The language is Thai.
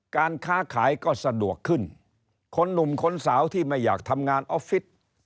การค้าขายก็สะดวกขึ้นคนหนุ่มคนสาวที่ไม่อยากทำงานออฟฟิศ